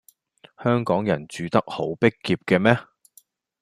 香港人住得好逼狹嘅咩